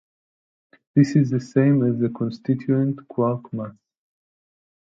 This is the same as the constituent quark mass.